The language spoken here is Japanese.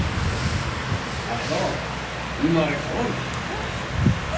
あなたは生まれ変わる！